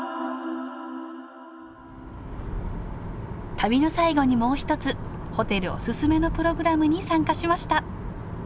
旅の最後にもう一つホテルおすすめのプログラムに参加しました。